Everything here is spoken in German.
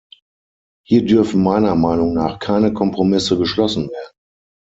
Hier dürfen meiner Meinung nach keine Kompromisse geschlossen werden.